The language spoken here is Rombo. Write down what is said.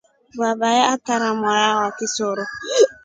Vavae aatra mwana wa kisero.